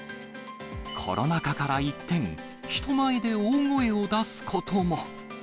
コロナ禍から一転、人前で大声を出すことも。